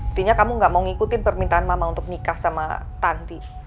intinya kamu gak mau ngikutin permintaan mama untuk nikah sama tanti